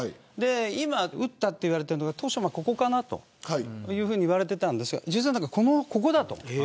今撃ったと言われているのが当初はここかなと言われてましたが実はここだと。